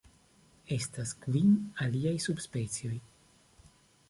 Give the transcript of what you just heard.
Estas kvin aliaj subspecioj.